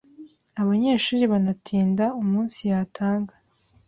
abanyeshuri banatinda umunsiyatanga